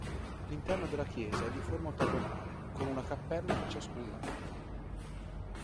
L'interno della chiesa è di forma ottagonale, con una cappella per ciascun lato.